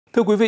thưa quý vị